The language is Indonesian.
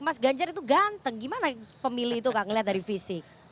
mas ganjar itu ganteng gimana pemilih itu kak ngelihat dari fisik